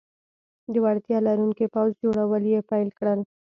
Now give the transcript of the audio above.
د وړتیا لرونکي پوځ جوړول یې پیل کړل.